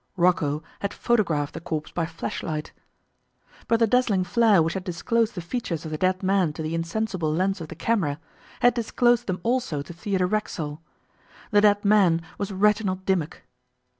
Rocco had photographed the corpse by flashlight. But the dazzling flare which had disclosed the features of the dead man to the insensible lens of the camera had disclosed them also to Theodore Racksole. The dead man was Reginald Dimmock!